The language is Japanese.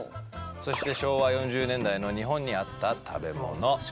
そして昭和４０年代の日本にあった食べ物。